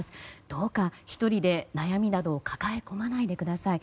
どうか１人で、悩みなどを抱え込まないでください。